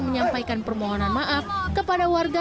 menyampaikan permohonan maaf kepada warga